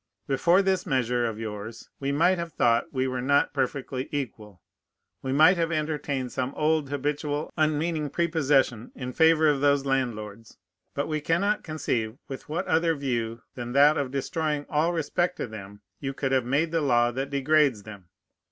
Before this measure of yours we might have thought we were not perfectly equal; we might have entertained some old, habitual, unmeaning prepossession in favor of those landlords; but we cannot conceive with what other view than that of destroying all respect to them you could have made the law that degrades them.